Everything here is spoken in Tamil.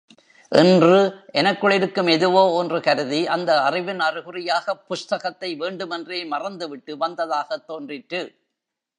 என்று எனக்குள் இருக்கும் எதுவோ ஒன்று கருதி அந்த அறிவின் அறிகுறியாகப் புஸ்தகத்தை வேண்டுமென்றே மறந்துவிட்டு வந்ததாகத் தோன்றிற்று.